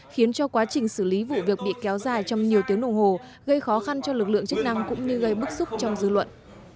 khiến cho quá trình xử lý vụ việc bị kéo dài trong nhiều tiếng đồng hồ gây khó khăn cho lực lượng chức năng cũng như gây bức xúc trong dư luận